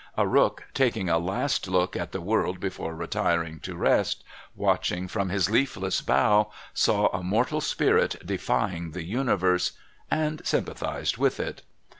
A rook, taking a last look at the world before retiring to rest, watching from his leafless bough, saw a mortal spirit defying the universe, and sympathised with it.